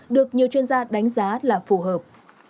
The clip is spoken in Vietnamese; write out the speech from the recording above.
được nhiều chuyên gia đánh giá là phù hợp